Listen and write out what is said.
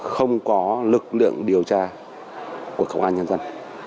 không có lực lượng điều tra của công an nhân dân